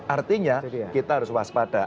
artinya kita harus waspada